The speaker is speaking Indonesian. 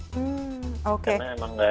karena emang gak ada panggungnya buat mempromosikan